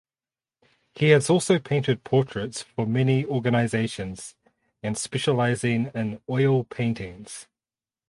He has also painted portraits for many organizations and specializing in oil paintings.